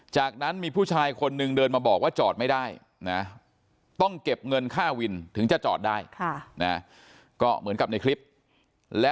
จากนั้นมีผู้ชายคนนึงเดินมาบอกว่าจอดไม่ได้นะ